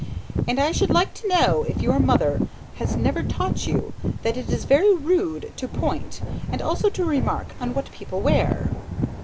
"And I should like to know, if your mother, has never taught you, that it is very rude, to point, and also to remark, on what people wear."